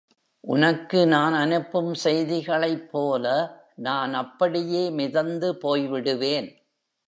உனக்கு நான் அனுப்பும் செய்திகளைப் போல நான் அப்படியே மிதந்து போய்விடுவேன்